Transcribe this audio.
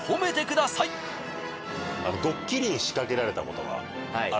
ドッキリを仕掛けられたことがある。